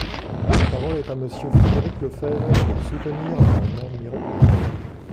La parole est à Monsieur Frédéric Lefebvre, pour soutenir l’amendement numéro un.